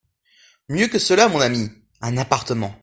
Mieux que cela, mon ami… un appartement.